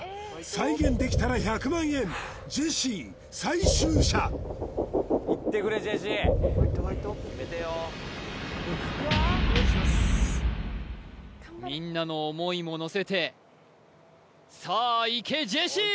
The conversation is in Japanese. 再現できたら１００万円ジェシー最終射みんなの思いものせてさあいけジェシー！